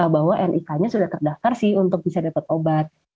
bahwa nik nya sudah terdaftar sih untuk bisa dapat obat